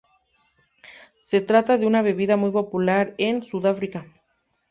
Se trata de una bebida muy popular en Sudáfrica.